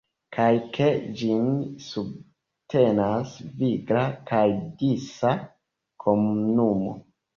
Kaj ke ĝin subtenas vigla kaj disa komunumo.